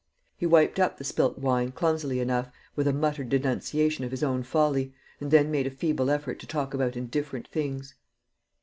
He wiped up the spilt wine clumsily enough, with a muttered denunciation of his own folly, and then made a feeble effort to talk about indifferent things.